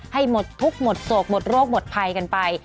ให้หมดทุกข์หมดโศกหมดโรคหมดภัยกันไป